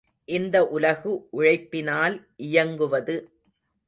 இந்த உலகு உழைப்பினால் இயங்குவது.